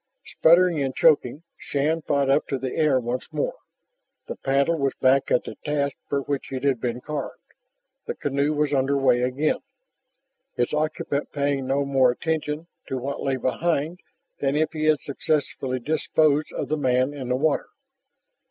Sputtering and choking, Shann fought up to the air once more. The paddle was back at the task for which it had been carved, the canoe was underway again, its occupant paying no more attention to what lay behind than if he had successfully disposed of the man in the water.